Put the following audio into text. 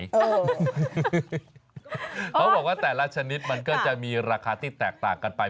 เขาบอกว่าแต่ละชนิดมันก็จะมีราคาที่แตกต่างกันไป